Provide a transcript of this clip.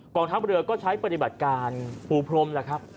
กล่องทัพเรือก็ใช้ปฏิบัติการภูพรม